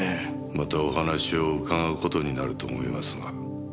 またお話を伺う事になると思いますがよろしく。